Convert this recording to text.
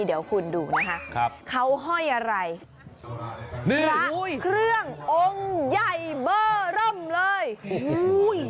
เดี๋ยวคุณดูนะครับเขาห้อยอะไรระเครื่ององค์ใหญ่เบอร่ำเลยโอ้โฮ